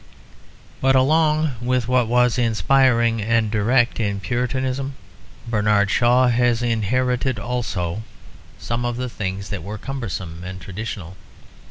But along with what was inspiring and direct in Puritanism Bernard Shaw has inherited also some of the things that were cumbersome and traditional.